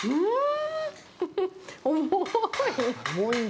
うん。